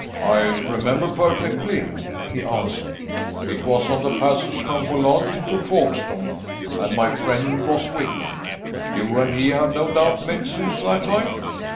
"I remember perfectly," he answered. "It was on the passage from Boulogne to Folkestone and my friend was with me. You and he have no doubt met since that time?"